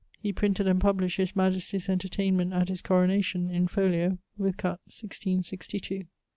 He printed and published his majestie's entertainment at his coronation, in folio with cutts, 1662.